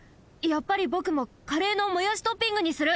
やっぱりぼくもカレーのもやしトッピングにする！